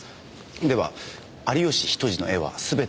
では有吉比登治の絵は全て本物なんですね？